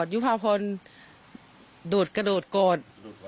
อยู่ภาพนโทร